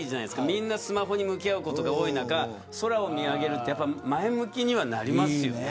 みんなスマホに向き合うことが多い中空を見上げるって前向きにはなりますよね。